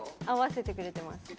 合わせてくれてます。